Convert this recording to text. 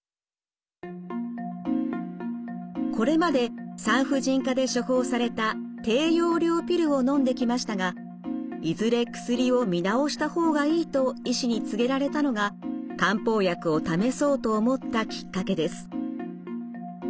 これまで産婦人科で処方された低用量ピルをのんできましたがいずれ薬を見直した方がいいと医師に告げられたのが漢方薬を試そうと思ったきっかけです。